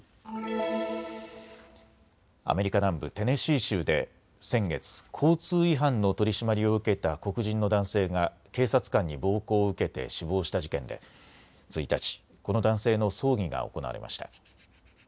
アメリカ南部テネシー州で先月、交通違反の取締りを受けた黒人の男性が警察官に暴行を受けて死亡した事件で１日、この男性の葬儀が行われました。